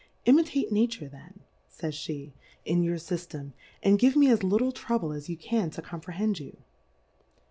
Imi tate Nature then, fajspe^ in your Sy ftem, and give me as little trouble as you can to comprehend you.